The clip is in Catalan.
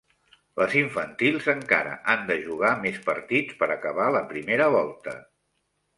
Les infantils encara han de jugar més partits per acabar la primera volta.